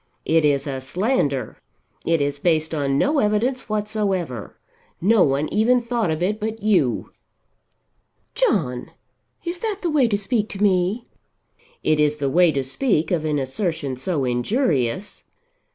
"It is a slander; it is based on no evidence whatsoever. No one even thought of it but you." "John, is that the way to speak to me?" "It is the way to speak of an assertion so injurious."